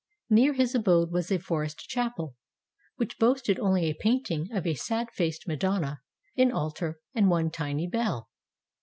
Near his abode was a forest chapel, which boasted only a painting of a sad faced Madonna, an altar, and one tiny bell.